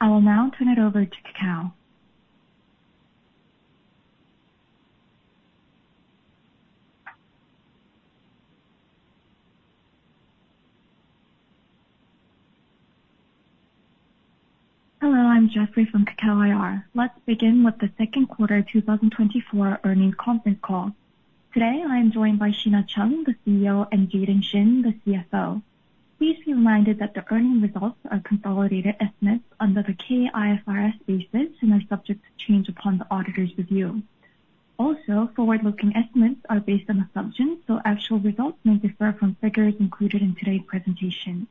I will now turn it over to Kakao. Hello, I'm Jeffrey from Kakao IR. Let's begin with the second quarter 2024 earnings conference call. Today, I am joined by Shina Chung, the CEO, and Jaden Shin, the CFO. Please be reminded that the earnings results are consolidated estimates under the KIFRS basis and are subject to change upon the auditor's review. Also, forward-looking estimates are based on assumptions, so actual results may differ from figures included in today's presentation.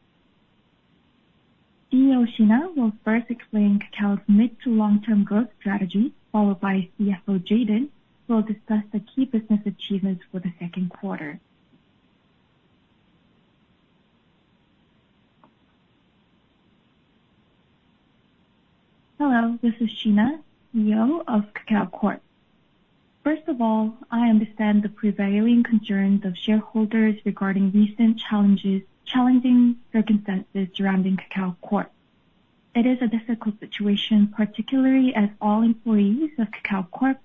CEO Shina will first explain Kakao's mid to long-term growth strategy, followed by CFO Jaden, who will discuss the key business achievements for the second quarter. Hello, this is Shina, CEO of Kakao Corp. First of all, I understand the prevailing concerns of shareholders regarding recent challenges, challenging circumstances surrounding Kakao Corp. It is a difficult situation, particularly as all employees of Kakao Corp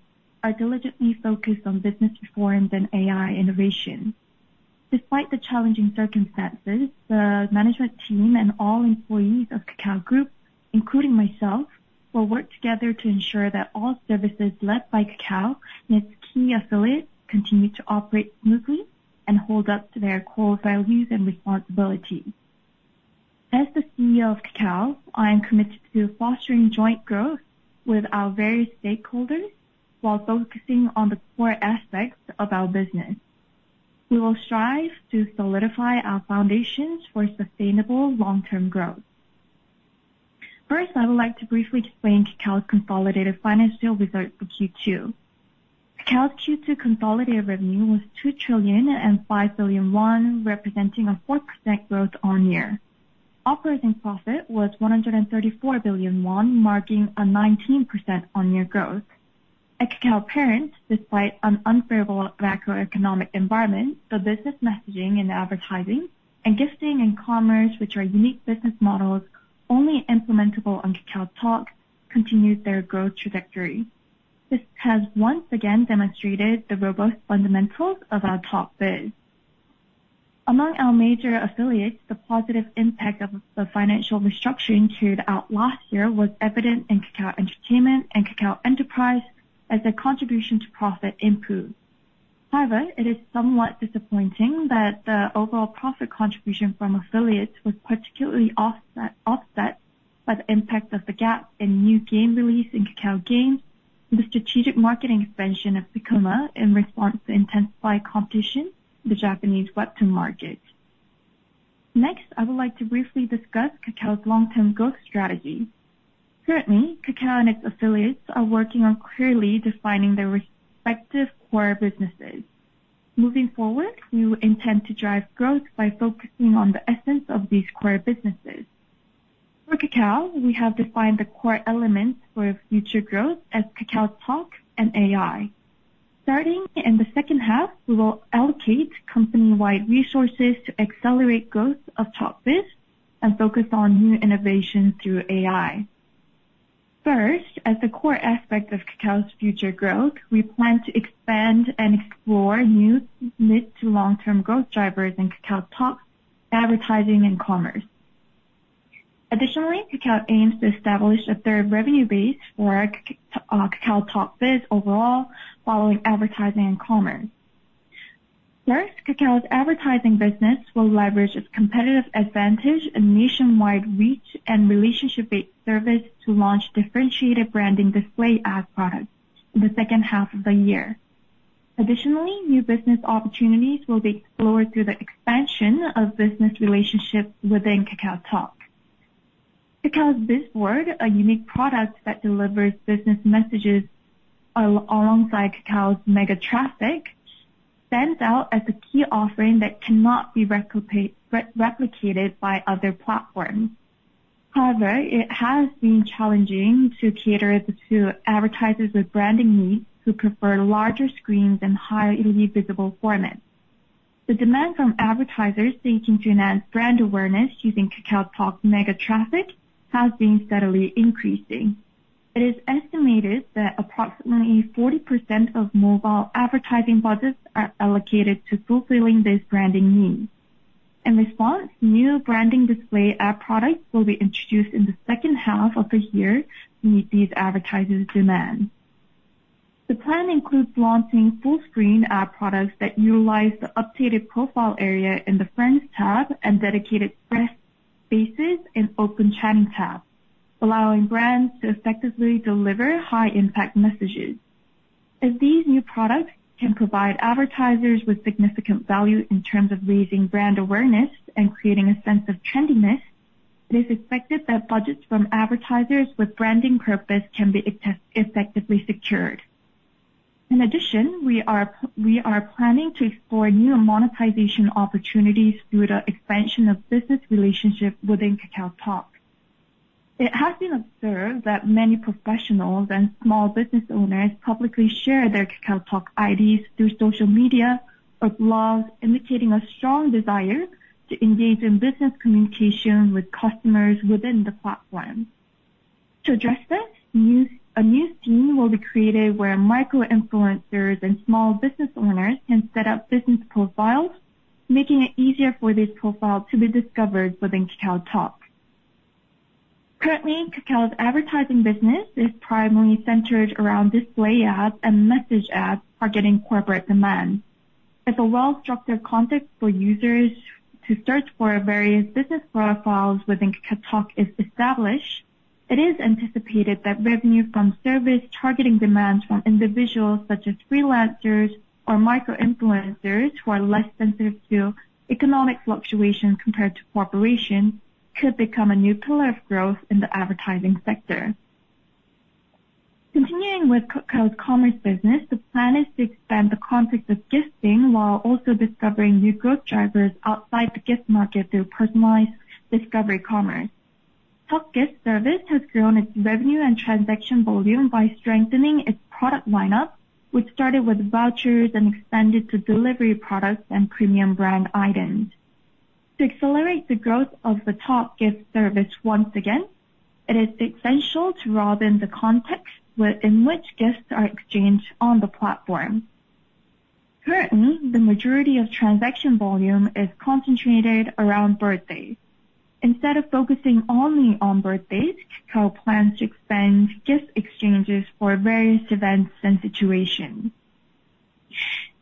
are diligently focused on business reforms and AI innovation. Despite the challenging circumstances, the management team and all employees of Kakao Group, including myself, will work together to ensure that all services led by Kakao and its key affiliates continue to operate smoothly and hold up to their core values and responsibilities. As the CEO of Kakao, I am committed to fostering joint growth with our various stakeholders while focusing on the core aspects of our business. We will strive to solidify our foundations for sustainable long-term growth. First, I would like to briefly explain Kakao's consolidated financial results for Q2. Kakao's Q2 consolidated revenue was 2,005 billion won, representing a 4% growth year-on-year. Operating profit was 134 billion won, marking a 19% year-on-year growth. At Kakao Corp., despite an unfavorable macroeconomic environment, the business messaging and advertising, and gifting and commerce, which are unique business models only implementable on KakaoTalk, continued their growth trajectory. This has once again demonstrated the robust fundamentals of our Talk Biz. Among our major affiliates, the positive impact of the financial restructuring carried out last year was evident in Kakao Entertainment and Kakao Enterprise as their contribution to profit improved. However, it is somewhat disappointing that the overall profit contribution from affiliates was particularly offset by the impact of the gap in new game release in Kakao Games and the strategic marketing expansion of Kakao in response to intensified competition in the Japanese webtoon market. Next, I would like to briefly discuss Kakao's long-term growth strategy. Currently, Kakao and its affiliates are working on clearly defining their respective core businesses. Moving forward, we intend to drive growth by focusing on the essence of these core businesses. For Kakao, we have defined the core elements for future growth as KakaoTalk and AI. Starting in the second half, we will allocate company-wide resources to accelerate growth of Talk Biz and focus on new innovation through AI. First, as the core aspect of Kakao's future growth, we plan to expand and explore new mid- to long-term growth drivers in KakaoTalk, advertising, and commerce. Additionally, Kakao aims to establish a third revenue base for Kakao Talk Biz overall, following advertising and commerce. First, Kakao's advertising business will leverage its competitive advantage and nationwide reach and relationship-based service to launch differentiated branding display ad products in the second half of the year. Additionally, new business opportunities will be explored through the expansion of business relationships within KakaoTalk. Kakao BizBoard, a unique product that delivers business messages alongside Kakao's mega traffic, stands out as a key offering that cannot be replicated by other platforms. However, it has been challenging to cater to advertisers with branding needs who prefer larger screens and highly visible formats. The demand from advertisers seeking to enhance brand awareness using KakaoTalk's mega traffic has been steadily increasing. It is estimated that approximately 40% of mobile advertising budgets are allocated to fulfilling these branding needs. In response, new branding display ad products will be introduced in the second half of the year to meet these advertisers' demand. The plan includes launching full-screen ad products that utilize the updated profile area in the Friends tab and dedicated brand spaces in Open Chatting tab, allowing brands to effectively deliver high-impact messages. As these new products can provide advertisers with significant value in terms of raising brand awareness and creating a sense of trendiness, it is expected that budgets from advertisers with branding purpose can be effectively secured. In addition, we are planning to explore new monetization opportunities through the expansion of business relationship within KakaoTalk. It has been observed that many professionals and small business owners publicly share their KakaoTalk IDs through social media or blogs, indicating a strong desire to engage in business communication with customers within the platform. To address this, a new scene will be created where micro-influencers and small business owners can set up business profiles, making it easier for these profiles to be discovered within KakaoTalk. Currently, Kakao's advertising business is primarily centered around display ads and message ads targeting corporate demand. As a well-structured context for users to search for various business profiles within KakaoTalk is established, it is anticipated that revenue from service targeting demands from individuals, such as freelancers or micro-influencers who are less sensitive to economic fluctuations compared to corporations, could become a new pillar of growth in the advertising sector. Continuing with Kakao's commerce business, the plan is to expand the context of gifting while also discovering new growth drivers outside the gift market through personalized discovery commerce. Talk Gift service has grown its revenue and transaction volume by strengthening its product lineup, which started with vouchers and expanded to delivery products and premium brand items. To accelerate the growth of the Talk Gift service once again, it is essential to broaden the context in which gifts are exchanged on the platform. Currently, the majority of transaction volume is concentrated around birthdays. Instead of focusing only on birthdays, Kakao plans to expand gift exchanges for various events and situations.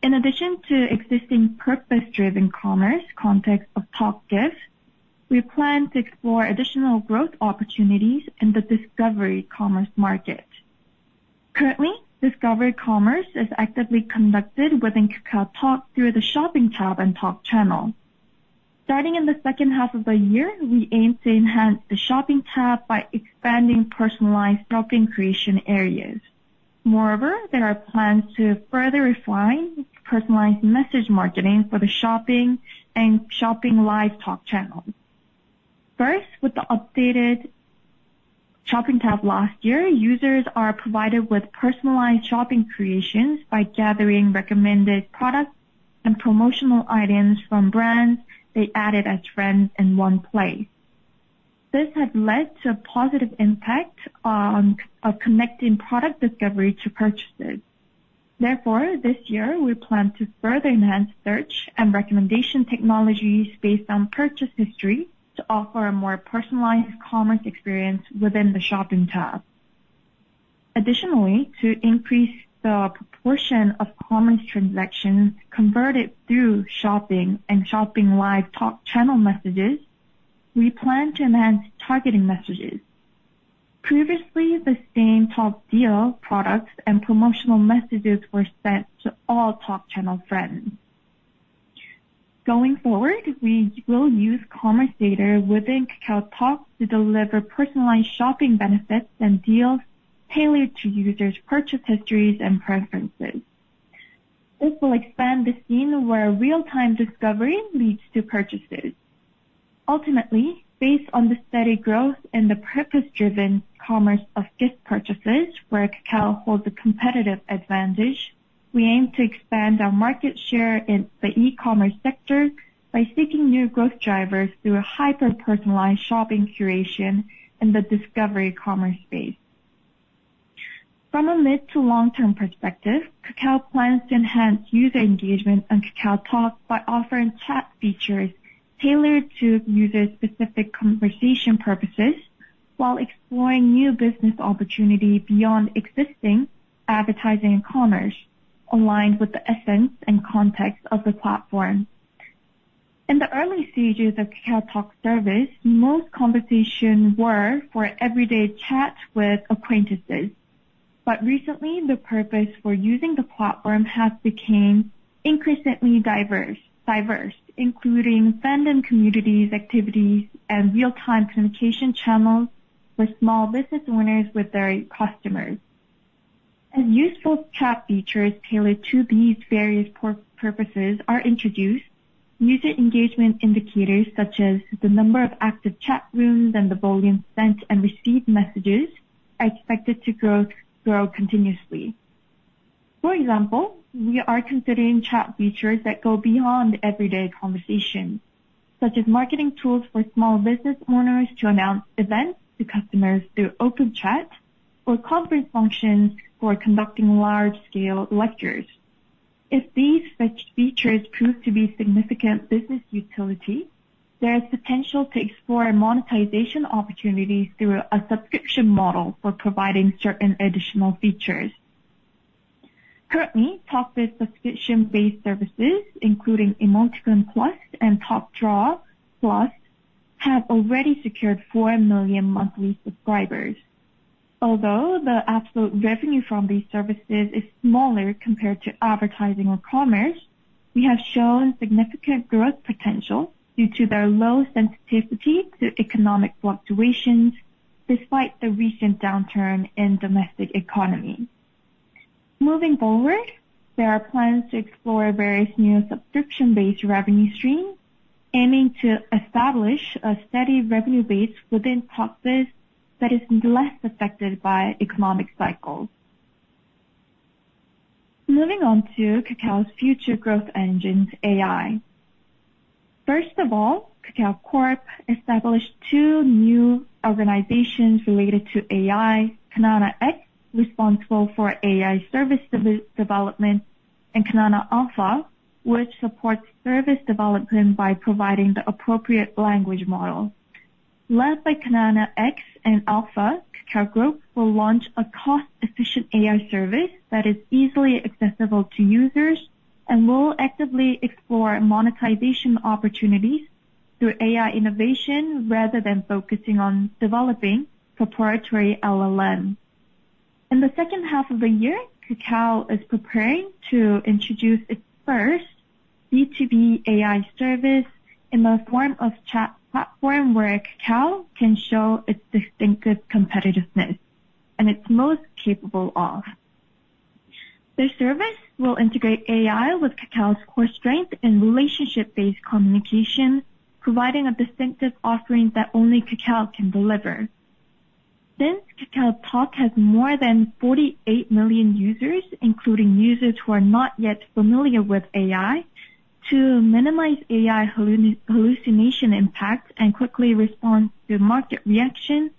In addition to existing purpose-driven commerce context of Talk Gift, we plan to explore additional growth opportunities in the discovery commerce market. Currently, discovery commerce is actively conducted within KakaoTalk through the Shopping tab and Talk Channel. Starting in the second half of the year, we aim to enhance the Shopping tab by expanding personalized shopping creation areas. Moreover, there are plans to further refine personalized message marketing for the Shopping and Shopping Live Talk Channels. First, with the updated Shopping tab last year, users are provided with personalized shopping creations by gathering recommended products and promotional items from brands they added as friends in one place. This has led to a positive impact on, of connecting product discovery to purchases. Therefore, this year, we plan to further enhance search and recommendation technologies based on purchase history to offer a more personalized commerce experience within the Shopping tab. Additionally, to increase the proportion of commerce transactions converted through shopping and shopping live Talk Channel messages, we plan to enhance targeting messages. Previously, the same Talk Deal products and promotional messages were sent to all Talk Channel friends. Going forward, we will use commerce data within KakaoTalk to deliver personalized shopping benefits and deals tailored to users' purchase histories and preferences. This will expand the scene where real-time discovery leads to purchases. Ultimately, based on the steady growth and the purpose-driven commerce of gift purchases, where Kakao holds a competitive advantage, we aim to expand our market share in the e-commerce sector by seeking new growth drivers through a hyper-personalized shopping curation in the discovery commerce space. From a mid to long-term perspective, Kakao plans to enhance user engagement on KakaoTalk by offering chat features tailored to users' specific conversation purposes, while exploring new business opportunity beyond existing advertising and commerce, aligned with the essence and context of the platform. In the early stages of KakaoTalk service, most conversations were for everyday chats with acquaintances, but recently, the purpose for using the platform has became increasingly diverse, including fandom communities, activities, and real-time communication channels with small business owners with their customers. As useful chat features tailored to these various purposes are introduced, user engagement indicators, such as the number of active chat rooms and the volume sent and received messages, are expected to grow continuously. For example, we are considering chat features that go beyond everyday conversations, such as marketing tools for small business owners to announce events to customers through open chat or conference functions for conducting large-scale lectures. If these such features prove to be significant business utility, there is potential to explore monetization opportunities through a subscription model for providing certain additional features. Currently, Talk's subscription-based services, including Emoticon Plus and Talk Drawer Plus, have already secured 4 million monthly subscribers. Although the absolute revenue from these services is smaller compared to advertising or commerce, we have shown significant growth potential due to their low sensitivity to economic fluctuations, despite the recent downturn in domestic economy. Moving forward, there are plans to explore various new subscription-based revenue streams, aiming to establish a steady revenue base within process that is less affected by economic cycles.... Moving on to Kakao's future growth engines, AI. First of all, Kakao Corp established two new organizations related to AI, Kanana X, responsible for AI service development, and Kanana Alpha, which supports service development by providing the appropriate language model. Led by Kanana X and Alpha, Kakao Group will launch a cost-efficient AI service that is easily accessible to users and will actively explore monetization opportunities through AI innovation, rather than focusing on developing proprietary LLM. In the second half of the year, Kakao is preparing to introduce its first B2B AI service in the form of chat platform, where Kakao can show its distinctive competitiveness and its most capable offer. This service will integrate AI with Kakao's core strength and relationship-based communication, providing a distinctive offering that only Kakao can deliver. Since KakaoTalk has more than 48 million users, including users who are not yet familiar with AI, to minimize AI hallucination impact and quickly respond to market reaction,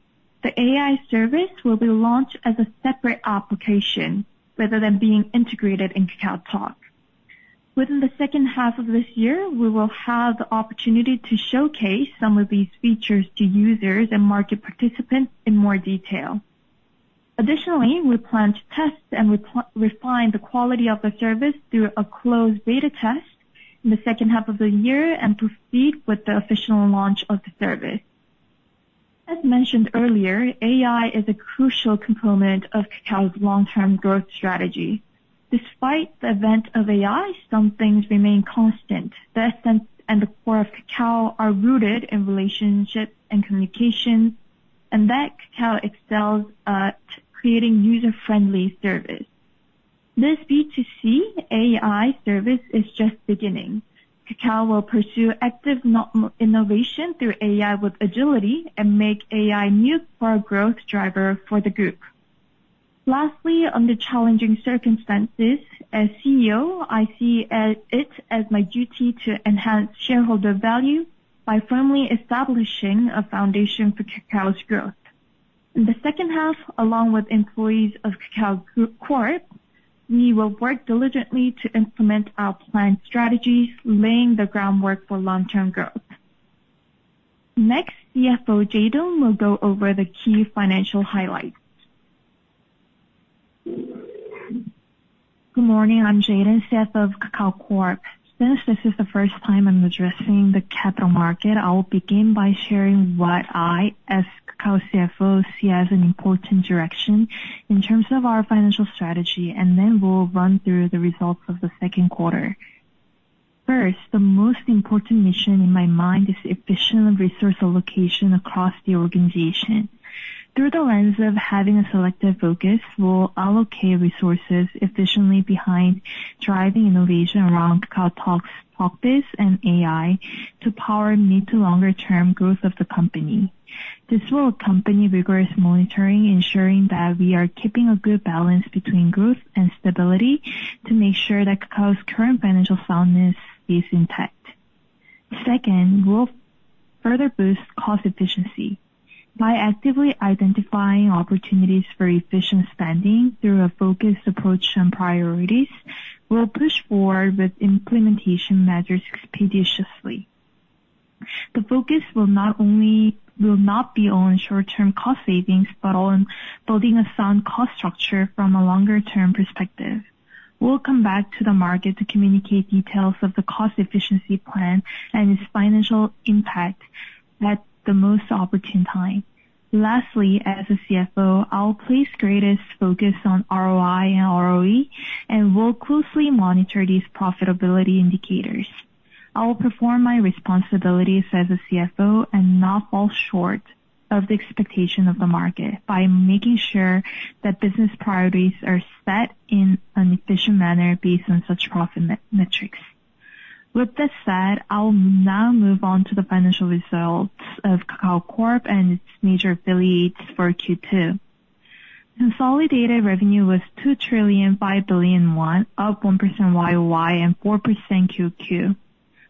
the AI service will be launched as a separate application rather than being integrated in KakaoTalk. Within the second half of this year, we will have the opportunity to showcase some of these features to users and market participants in more detail. Additionally, we plan to test and refine the quality of the service through a closed beta test in the second half of the year and proceed with the official launch of the service. As mentioned earlier, AI is a crucial component of Kakao's long-term growth strategy. Despite the advent of AI, some things remain constant. The essence and the core of Kakao are rooted in relationships and communication, and that Kakao excels at creating user-friendly service. This B2C AI service is just beginning. Kakao will pursue active innovation through AI with agility and make AI our new growth driver for the group. Lastly, under challenging circumstances, as CEO, I see it as my duty to enhance shareholder value by firmly establishing a foundation for Kakao's growth. In the second half, along with employees of Kakao Corp., we will work diligently to implement our planned strategies, laying the groundwork for long-term growth. Next, CFO Jaden will go over the key financial highlights. Good morning, I'm Jaden, CFO of Kakao Corp. Since this is the first time I'm addressing the capital market, I will begin by sharing what I, as Kakao CFO, see as an important direction in terms of our financial strategy, and then we'll run through the results of the second quarter. First, the most important mission in my mind is efficient resource allocation across the organization. Through the lens of having a selective focus, we'll allocate resources efficiently behind driving innovation around KakaoTalk's Talk Biz and AI to power mid- to longer-term growth of the company. This will accompany rigorous monitoring, ensuring that we are keeping a good balance between growth and stability to make sure that Kakao's current financial soundness is intact. Second, we'll further boost cost efficiency. By actively identifying opportunities for efficient spending through a focused approach on priorities, we'll push forward with implementation measures expeditiously. The focus will not be on short-term cost savings, but on building a sound cost structure from a longer-term perspective. We'll come back to the market to communicate details of the cost efficiency plan and its financial impact at the most opportune time. Lastly, as a CFO, I will place greatest focus on ROI and ROE, and will closely monitor these profitability indicators. I will perform my responsibilities as a CFO and not fall short of the expectation of the market by making sure that business priorities are set in an efficient manner based on such profit metrics. With this said, I'll now move on to the financial results of Kakao Corp and its major affiliates for Q2. Consolidated revenue was 2.005 trillion, up 1% YOY and 4% QOQ.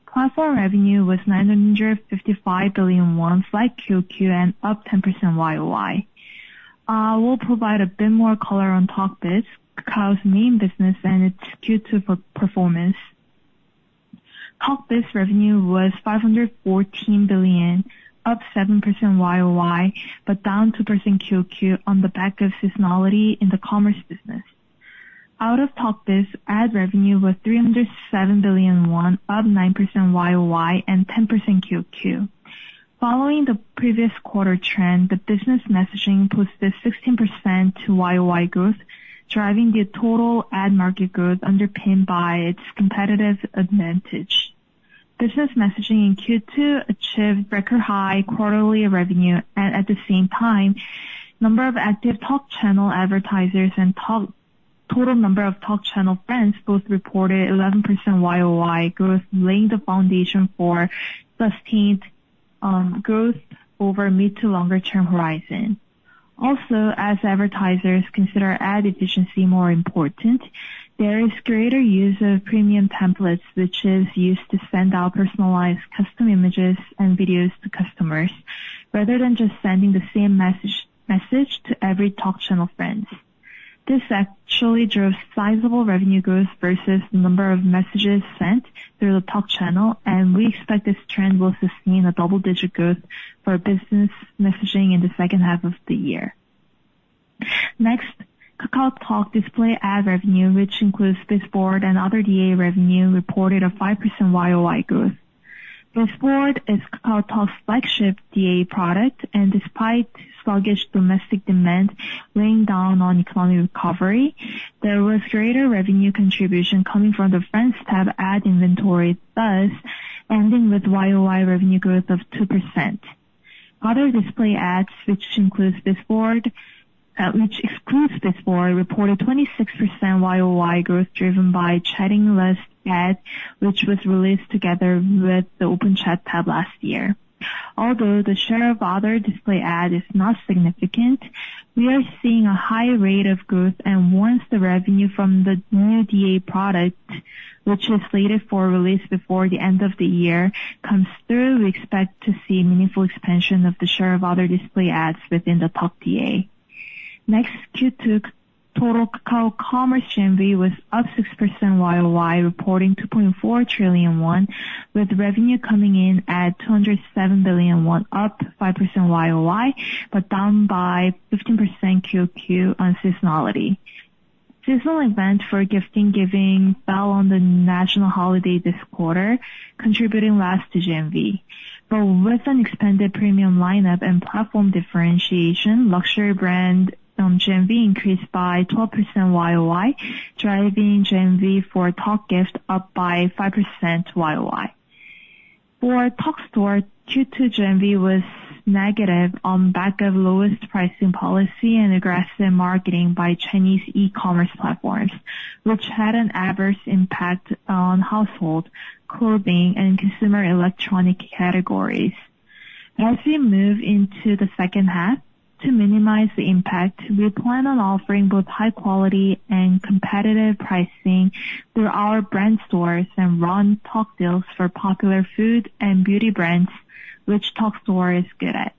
Platform revenue was 955 billion won, flat QoQ and up 10% YOY. We'll provide a bit more color on TalkBiz, Kakao's main business and its Q2 performance. TalkBiz revenue was 514 billion, up 7% YOY, but down 2% QoQ on the back of seasonality in the commerce business. Out of TalkBiz, ad revenue was 307 billion won, up 9% YOY and 10% QoQ. Following the previous quarter trend, the business messaging posted 16% YoY growth, driving the total ad market growth underpinned by its competitive advantage. Business messaging in Q2 achieved record high quarterly revenue, and at the same time, number of active Talk Channel advertisers and total number of Talk Channel brands both reported 11% YOY growth, laying the foundation for sustained growth over mid to longer term horizon. Also, as advertisers consider ad efficiency more important, there is greater use of premium templates, which is used to send out personalized custom images and videos to customers, rather than just sending the same message to every Talk Channel friends. This actually drove sizable revenue growth versus the number of messages sent through the Talk Channel, and we expect this trend will sustain a double-digit growth for business messaging in the second half of the year. Next, KakaoTalk display ad revenue, which includes BizBoard and other DA revenue, reported a 5% YOY growth. This board is KakaoTalk's flagship DA product, and despite sluggish domestic demand weighing down on economic recovery, there was greater revenue contribution coming from the Friends tab ad inventory, thus ending with YOY revenue growth of 2%. Other display ads, which includes BizBoard, which excludes BizBoard, reported 26% YOY growth, driven by chatting list ad, which was released together with the open chat tab last year. Although the share of other display ad is not significant, we are seeing a high rate of growth, and once the revenue from the new DA product, which is slated for release before the end of the year, comes through, we expect to see meaningful expansion of the share of other display ads within the Talk DA. Next, Q2, total Kakao Commerce GMV was up 6% YOY, reporting 2.4 trillion won, with revenue coming in at 207 billion won, up 5% YOY, but down by 15% QOQ on seasonality. Seasonal event for gift giving fell on the national holiday this quarter, contributing less to GMV. But with an expanded premium lineup and platform differentiation, luxury brand GMV increased by 12% YOY, driving GMV for Talk Gift up by 5% YOY. For Talk Store, Q2 GMV was negative on back of lowest pricing policy and aggressive marketing by Chinese e-commerce platforms, which had an adverse impact on household, clothing, and consumer electronic categories. As we move into the second half, to minimize the impact, we plan on offering both high quality and competitive pricing through our brand stores and run Talk deals for popular food and beauty brands, which Talk Store is good at.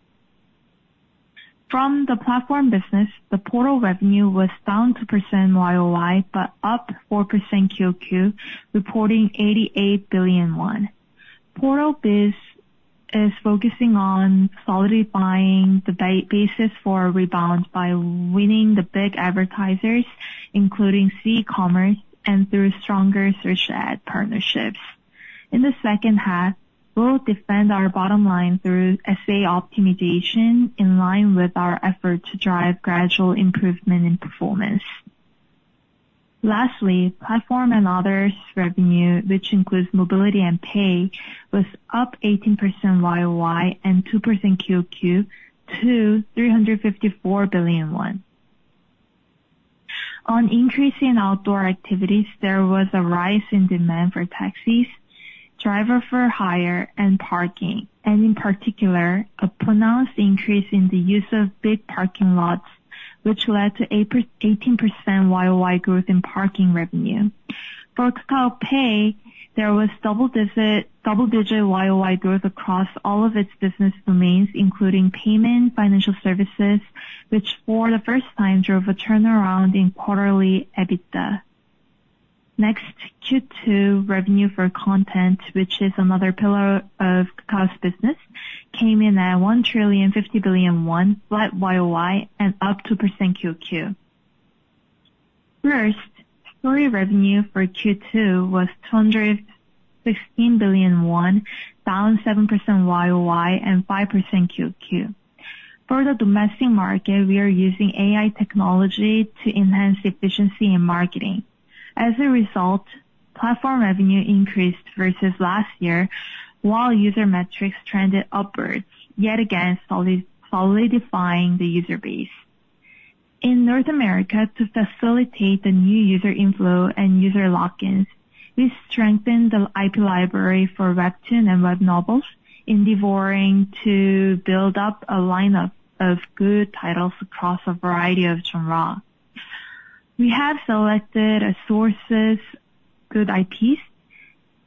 From the platform business, the portal revenue was down 2% YOY, but up 4% QOQ, reporting 88 billion won. Portal biz is focusing on solidifying the basis for a rebound by winning the big advertisers, including C-commerce and through stronger search ad partnerships. In the second half, we'll defend our bottom line through SA optimization, in line with our effort to drive gradual improvement in performance. Lastly, platform and others revenue, which includes mobility and pay, was up 18% YOY and 2% QOQ to 354 billion won. On the increase in outdoor activities, there was a rise in demand for taxis, drivers for hire and parking, and in particular, a pronounced increase in the use of big parking lots, which led to 18% YOY growth in parking revenue. For Kakao Pay, there was double-digit YOY growth across all of its business domains, including payments, financial services, which for the first time drove a turnaround in quarterly EBITDA. Next, Q2 revenue for content, which is another pillar of Kakao's business, came in at 1,050 billion won, flat YOY and up 2% QOQ. First, story revenue for Q2 was 216 billion won, down 7% YOY and 5% QOQ. For the domestic market, we are using AI technology to enhance efficiency in marketing. As a result, platform revenue increased versus last year, while user metrics trended upwards, yet again, solidifying the user base. In North America, to facilitate the new user inflow and user lock-ins, we strengthened the IP library for webtoon and web novels, endeavoring to build up a lineup of good titles across a variety of genre. We have selected some sources, good IPs,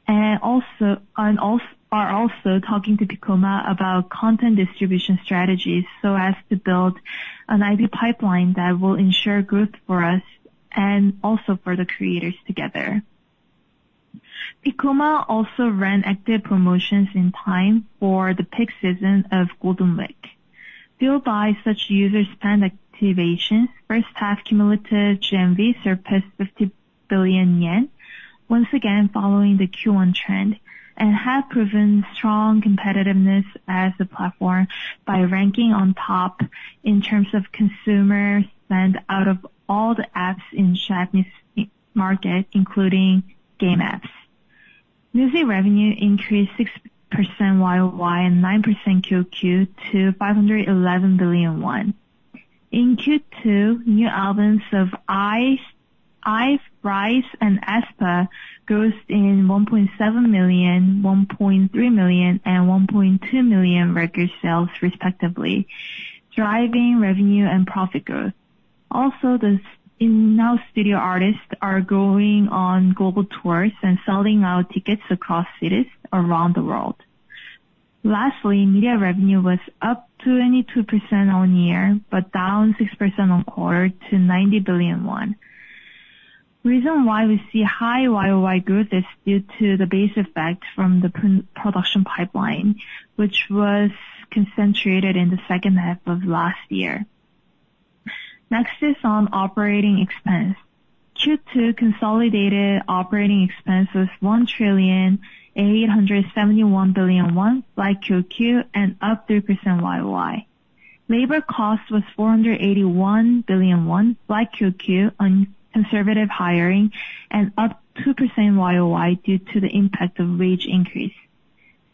and also are also talking to Piccoma about content distribution strategies, so as to build an IP pipeline that will ensure growth for us and also for the creators together. Piccoma also ran active promotions in time for the peak season of Golden Week. Built by such user spend activation, first half cumulative GMV surpassed 50 billion yen, once again following the Q1 trend, and have proven strong competitiveness as a platform by ranking on top in terms of consumer spend out of all the apps in Japanese market, including game apps. Music revenue increased 6% YOY and 9% QOQ to 511 billion won. In Q2, new albums of IVE, RIIZE, and aespa grossed 1.7 million, 1.3 million, and 1.2 million record sales respectively, driving revenue and profit growth. Also, the in-house studio artists are going on global tours and selling out tickets across cities around the world. Lastly, media revenue was up 22% on year, but down 6% on quarter to 90 billion won. reason why we see high YOY growth is due to the base effect from the production pipeline, which was concentrated in the second half of last year. Next is on operating expense. Q2 consolidated operating expense was KRW 1.871 trillion QoQ, and up 3% YOY. Labor cost was 481 billion QoQ, on conservative hiring and up 2% YOY due to the impact of wage increase.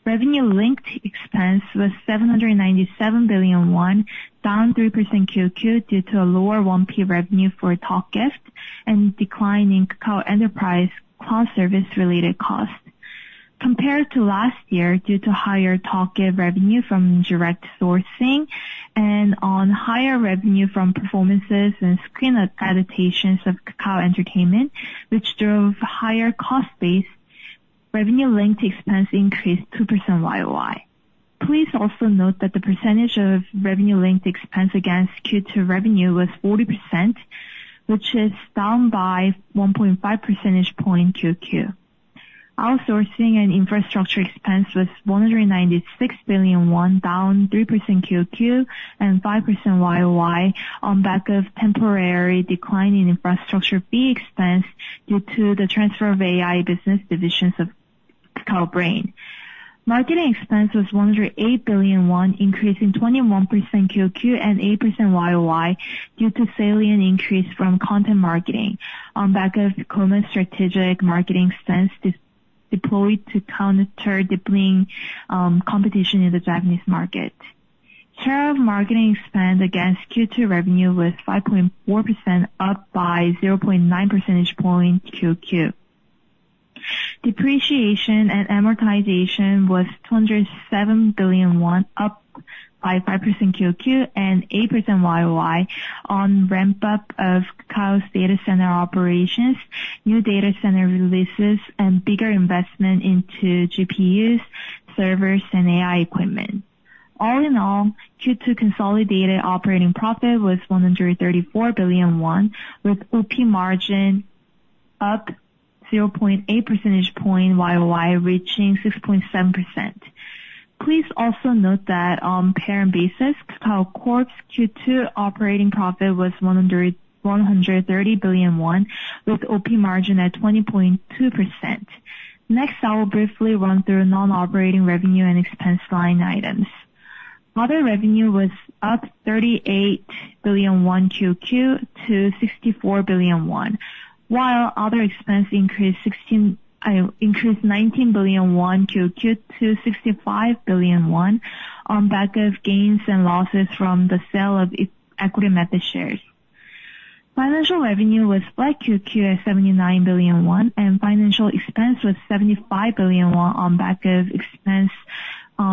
Revenue-linked expense was 797 billion won, down 3% QoQ, due to a lower 1P revenue for talk gifts and decline in Kakao Enterprise cloud service-related costs. Compared to last year, due to higher talk gift revenue from direct sourcing and on higher revenue from performances and screen adaptations of Kakao Entertainment, which drove higher cost base, revenue-linked expense increased 2% YOY. Please also note that the percentage of revenue-linked expense against Q2 revenue was 40%, which is down by 1.5 percentage point QQ. Outsourcing and infrastructure expense was 196 billion won, down 3% QQ and 5% YOY, on back of temporary decline in infrastructure fee expense due to the transfer of AI business divisions of Kakao Brain. Marketing expense was 108 billion won, increasing 21% QQ and 8% YOY, due to salient increase from content marketing on back of Kakao's strategic marketing expense deployed to counter the fierce competition in the Japanese market. Share of marketing expense against Q2 revenue was 5.4%, up by 0.9 percentage point QQ. Depreciation and amortization was 207 billion won, up by 5% QoQ and 8% YoY, on ramp-up of Kakao's data center operations, new data center releases, and bigger investment into GPUs, servers, and AI equipment. All in all, Q2 consolidated operating profit was 134 billion won, with OP margin up 0.8 percentage point YoY, reaching 6.7%. Please also note that on parent basis, Kakao Corp's Q2 operating profit was one hundred and thirty billion won, with OP margin at 20.2%. Next, I will briefly run through non-operating revenue and expense line items. Other revenue was up 38 billion QoQ to 64 billion, while other expense increased nineteen billion won QoQ to 65 billion won on back of gains and losses from the sale of equity method shares. Financial revenue was like QoQ at 79 billion won, and financial expense was 75 billion won on back of expense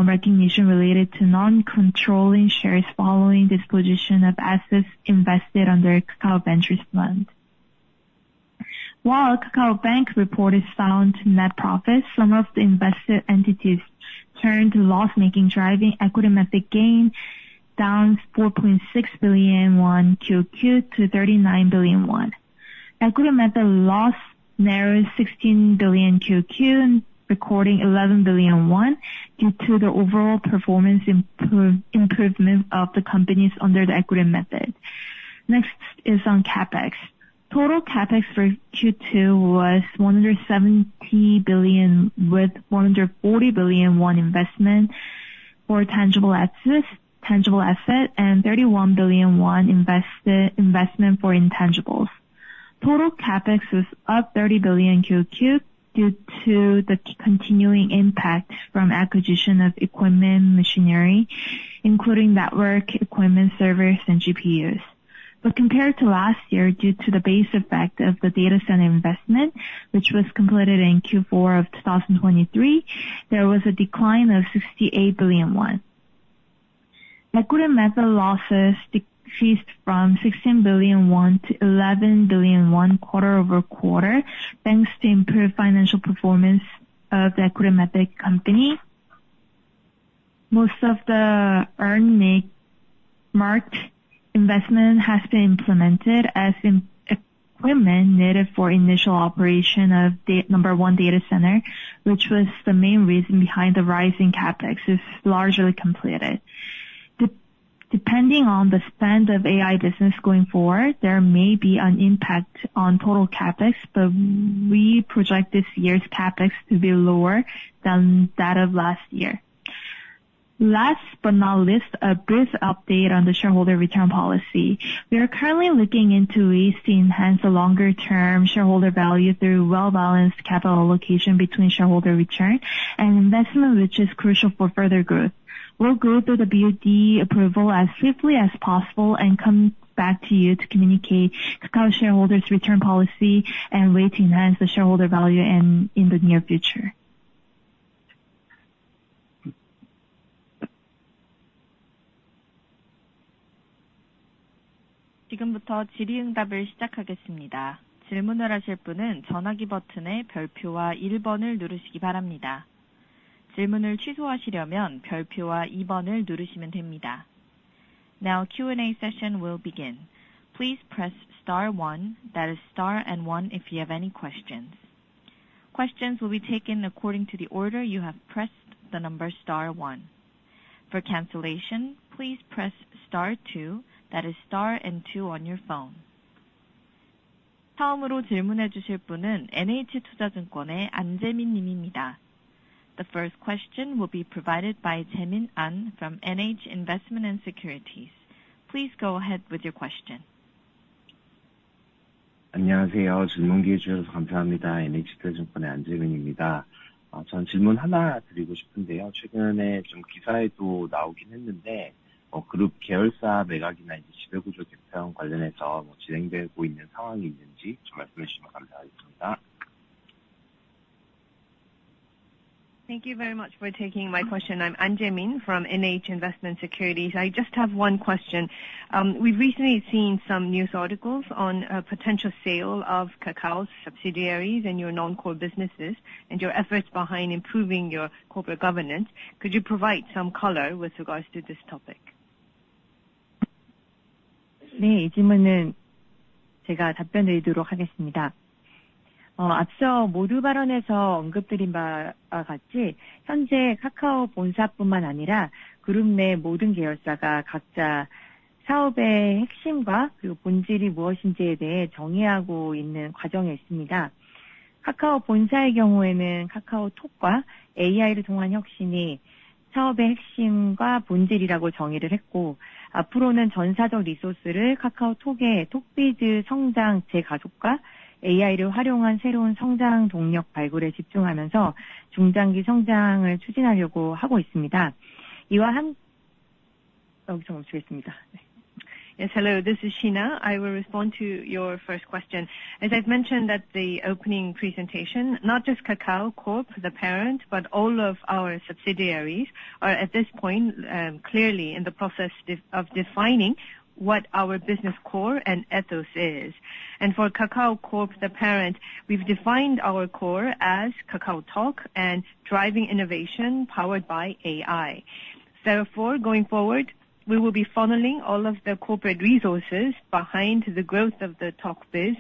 recognition related to non-controlling shares following disposition of assets invested under Kakao Ventures fund. While Kakao Bank reported sound net profits, some of the invested entities turned loss-making, driving equity method gain down 4.6 billion won QoQ to 39 billion won. Equity method loss narrowed 16 billion QoQ, and recording 11 billion won, due to the overall performance improvement of the companies under the equity method. Next is on CapEx. Total CapEx for Q2 was 170 billion, with 140 billion won investment for tangible assets and 31 billion won investment for intangibles. Total CapEx was up 30 billion QoQ due to the continuing impact from acquisition of equipment and machinery, including network equipment, servers, and GPUs. But compared to last year, due to the base effect of the data center investment, which was completed in Q4 of 2023, there was a decline of 68 billion won. Equity method losses decreased from 16 billion won to 11 billion won quarter-over-quarter, thanks to improved financial performance of the equity method company. Most of the earmarked investment has been implemented in equipment needed for initial operation of DA-1 data center, which was the main reason behind the rise in CapEx, is largely completed. Depending on the spend of AI business going forward, there may be an impact on total CapEx, but we project this year's CapEx to be lower than that of last year. Last but not least, a brief update on the shareholder return policy. We are currently looking into ways to enhance the longer-term shareholder value through well-balanced capital allocation between shareholder return and investment, which is crucial for further growth. We'll go through the BOD approval as swiftly as possible and come back to you to communicate Kakao shareholders return policy and way to enhance the shareholder value in, in the near future. Q&A session will begin. Please press star one, that is star and one, if you have any questions. Questions will be taken according to the order you have pressed the number star 1. For cancellation, please press star 2, that is star and 2 on your phone. The first question will be provided by Jaemin An from NH Investment & Securities. Please go ahead with your question. Thank you very much for taking my question. I'm Jae-min Ahn from NH Investment & Securities. I just have one question. We've recently seen some news articles on a potential sale of Kakao's subsidiaries and your non-core businesses and your efforts behind improving your corporate governance. Could you provide some color with regards to this topic? Yes, hello, this is Shina. I will respond to your first question. As I've mentioned at the opening presentation, not just Kakao Corp, the parent, but all of our subsidiaries are at this point, clearly in the process of, defining what our business core and ethos is. And for Kakao Corp, the parent, we've defined our core as KakaoTalk and driving innovation powered by AI. Therefore, going forward, we will be funneling all of the corporate resources behind the growth of the Talk biz,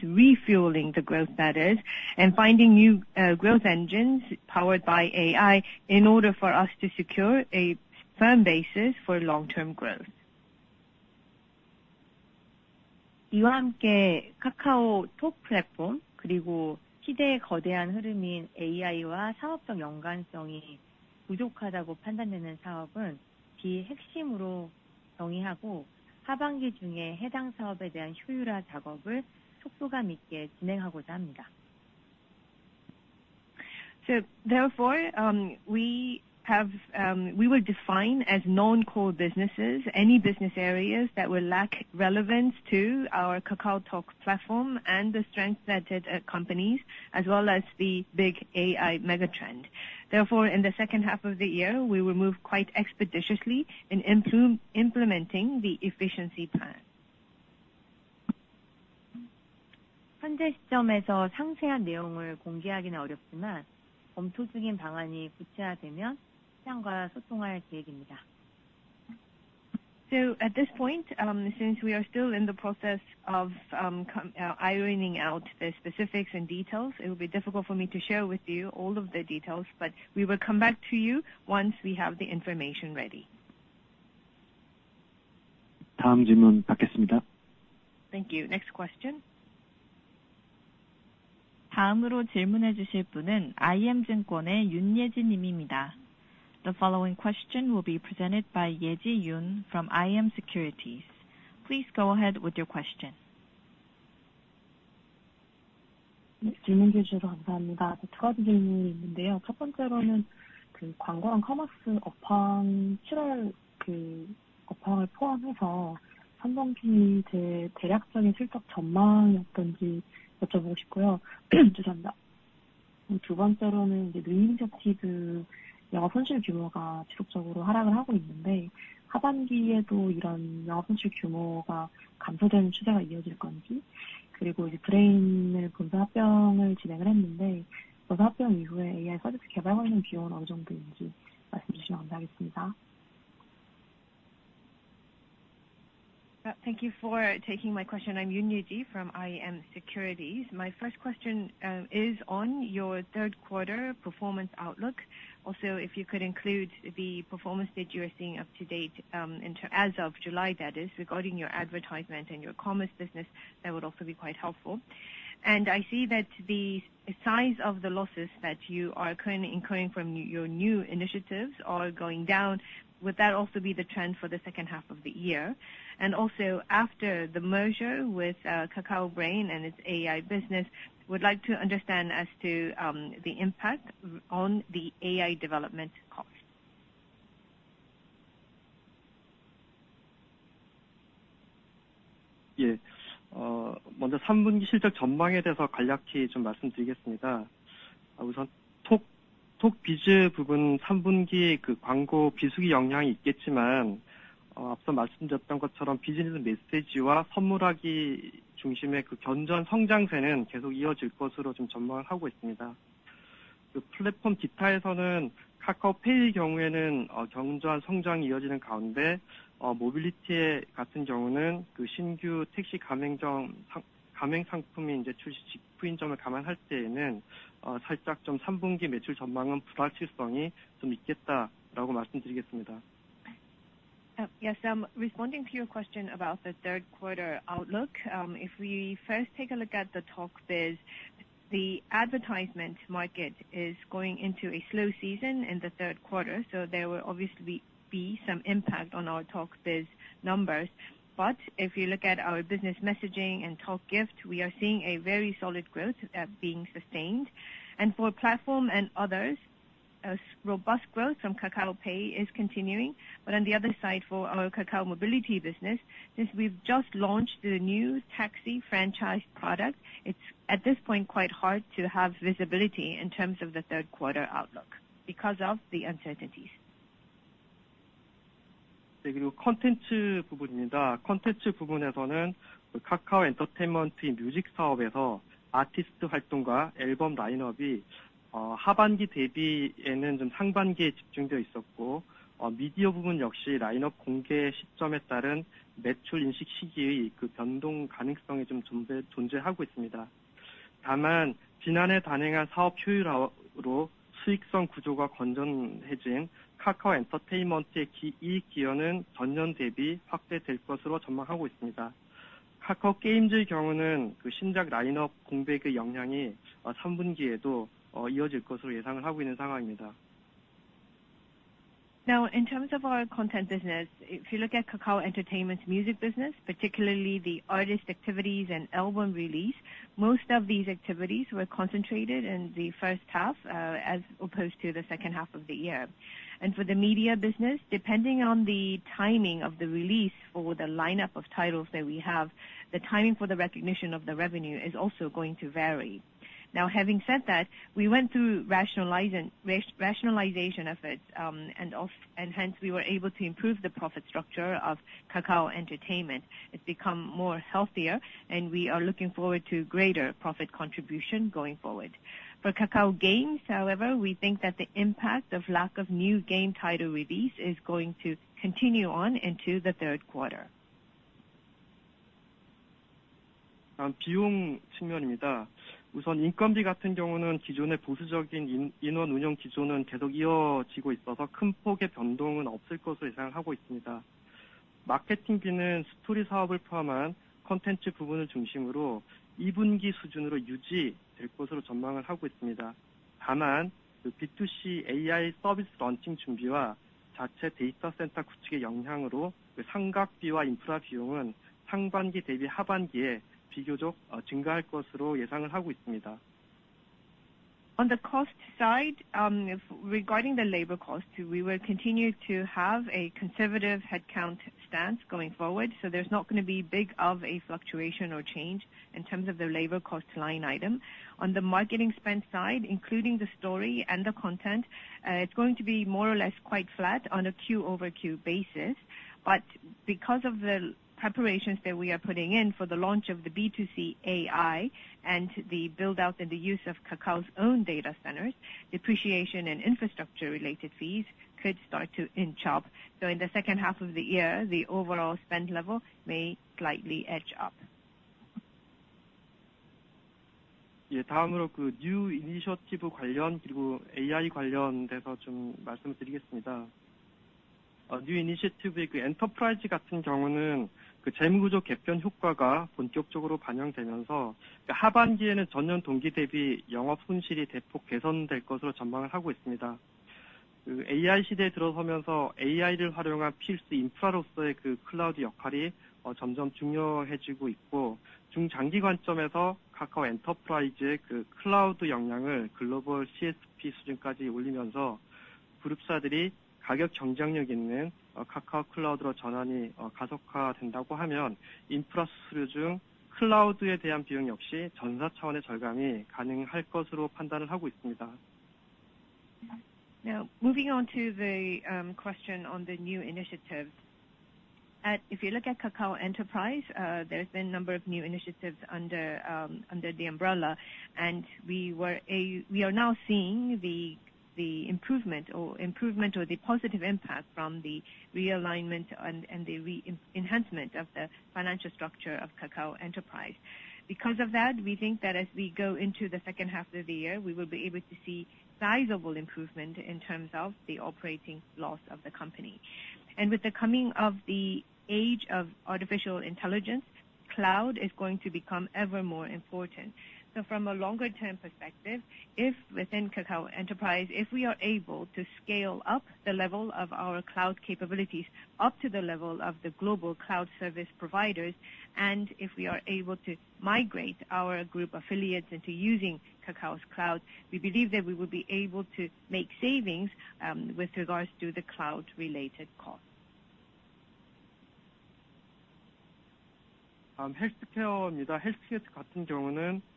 refueling the growth that is, and finding new, growth engines powered by AI in order for us to secure a firm basis for long-term growth. we have, we will define as non-core businesses, any business areas that will lack relevance to our KakaoTalk platform and the strength that it accompanies, as well as the big AI mega trend. Therefore, in the second half of the year, we will move quite expeditiously in implementing the efficiency plan. So at this point, since we are still in the process of ironing out the specifics and details, it will be difficult for me to share with you all of the details, but we will come back to you once we have the information ready. Thank you. Next question? The following question will be presented by Yeji Yoon from iM Securities. Please go ahead with your question. Thank you for taking my question. I'm Yeji Yoon from iM Securities. My first question is on your third quarter performance outlook. Also, if you could include the performance that you are seeing up to date into as of July, that is, regarding your advertisement and your commerce business, that would also be quite helpful. I see that the size of the losses that you are currently incurring from your new initiatives are going down. Would that also be the trend for the second half of the year? And also after the merger with Kakao Brain and its AI business, would like to understand as to the impact on the AI development cost. 먼저 three quarter 실적 전망에 대해서 간략히 좀 말씀드리겠습니다. 우선 Talk, Talk Biz 부분 three quarter 그 광고 비수기 영향이 있겠지만, 앞서 말씀드렸던 것처럼 비즈니스 메시지와 선물하기 중심의 그 견조한 성장세는 계속 이어질 것으로 지금 전망을 하고 있습니다. 그 플랫폼 기타에서는 KakaoPay의 경우에는 견조한 성장이 이어지는 가운데, 모빌리티의 같은 경우는 그 신규 택시 가맹점, 상, 가맹 상품이 이제 출시 직후인 점을 감안할 때에는 살짝 좀 three quarter 매출 전망은 불확실성이 좀 있겠다라고 말씀드리겠습니다. Yes, I'm responding to your question about the third quarter outlook. If we first take a look at the Talk Biz, the advertisement market is going into a slow season in the third quarter, so there will obviously be some impact on our Talk Biz numbers. But if you look at our business messaging and Talk Gift, we are seeing a very solid growth being sustained. And for platform and others, robust growth from Kakao Pay is continuing. But on the other side, for our Kakao Mobility business, since we've just launched the new taxi franchise product, it's at this point quite hard to have visibility in terms of the third quarter outlook because of the uncertainties. 네, 그리고 콘텐츠 부분입니다. 콘텐츠 부분에서는 그 Kakao Entertainment Music 사업에서 아티스트 활동과 앨범 라인업이 하반기 대비에는 좀 상반기에 집중되어 있었고, 미디어 부분 역시 라인업 공개 시점에 따른 매출 인식 시기의 그 변동 가능성이 좀 존재하고 있습니다. 다만 지난해 단행한 사업 효율화로 수익성 구조가 건전해진 Kakao Entertainment의 이익 기여는 전년 대비 확대될 것으로 전망하고 있습니다. Kakao Games의 경우는 그 신작 라인업 공백의 영향이 third quarter에도 이어질 것으로 예상하고 있는 상황입니다. Now, in terms of our content business, if you look at Kakao Entertainment's music business, particularly the artist activities and album release, most of these activities were concentrated in the first half as opposed to the second half of the year. And for the media business, depending on the timing of the release or the lineup of titles that we have, the timing for the recognition of the revenue is also going to vary. Now, having said that, we went through rationalization efforts, and hence we were able to improve the profit structure of Kakao Entertainment. It's become more healthier, and we are looking forward to greater profit contribution going forward. For Kakao Games, however, we think that the impact of lack of new game title release is going to continue on into the third quarter. 다음 비용 측면입니다. 우선 인건비 같은 경우는 기존의 보수적인 인원 운영 기조는 계속 이어지고 있어서 큰 폭의 변동은 없을 것으로 예상하고 있습니다. 마케팅비는 스토리 사업을 포함한 콘텐츠 부분을 중심으로 2 quarter 수준으로 유지될 것으로 전망을 하고 있습니다. 다만 B2C AI 서비스 런칭 준비와 자체 데이터 센터 구축의 영향으로 그 CapEx와 인프라 비용은 상반기 대비 하반기에 비교적 증가할 것으로 예상을 하고 있습니다. On the cost side, if regarding the labor cost, we will continue to have a conservative headcount stance going forward, so there's not gonna be big of a fluctuation or change in terms of the labor cost line item. On the marketing spend side, including the story and the content, it's going to be more or less quite flat on a Q-over-Q basis. But because of the preparations that we are putting in for the launch of the B2C AI and the build out and the use of Kakao's own data centers, depreciation and infrastructure related fees could start to inch up. So in the second half of the year, the overall spend level may slightly edge up. 예, 다음으로 그 new initiative 관련, 그리고 AI 관련돼서 좀 말씀을 드리겠습니다. new initiative의 그 enterprise 같은 경우는 그 재무구조 개편 효과가 본격적으로 반영되면서, 그 하반기에는 전년 동기 대비 영업 손실이 대폭 개선될 것으로 전망을 하고 있습니다. 그 AI 시대에 들어서면서 AI를 활용한 필수 인프라로서의 그 클라우드 역할이 점점 중요해지고 있고, 중장기 관점에서 Kakao Enterprise의 그 cloud 역량을 글로벌 CSP 수준까지 올리면서, 그룹사들이 가격 경쟁력 있는 Kakao 클라우드로 전환이 가속화된다고 하면, 인프라 수수료 중 클라우드에 대한 비용 역시 전사 차원의 절감이 가능할 것으로 판단을 하고 있습니다. Now, moving on to the question on the new initiatives. If you look at Kakao Enterprise, there's been a number of new initiatives under the umbrella, and we are now seeing the improvement or the positive impact from the realignment and the enhancement of the financial structure of Kakao Enterprise. Because of that, we think that as we go into the second half of the year, we will be able to see sizable improvement in terms of the operating loss of the company, and with the coming of the age of artificial intelligence, cloud is going to become ever more important. From a longer-term perspective, if within Kakao Enterprise, if we are able to scale up the level of our cloud capabilities up to the level of the global cloud service providers, and if we are able to migrate our group affiliates into using Kakao's cloud, we believe that we will be able to make savings, with regards to the cloud-related costs.... healthcare입니다. healthcare 같은 경우는, 아시는 것처럼